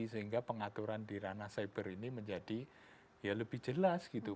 sehingga pengaturan di ranah cyber ini menjadi ya lebih jelas gitu